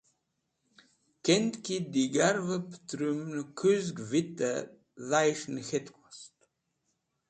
Kend ki digarvẽ pẽtmũnẽ kũzg vitẽ dhayẽb nek̃htk wost.